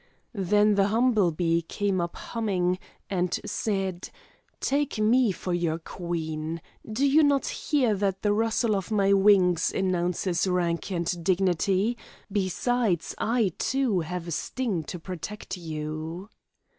Then the humble bee came up humming, and said: 'Take me for your queen! Do you not hear that the rustle of my wings announces rank and dignity? Besides, I too have a sting to protect you.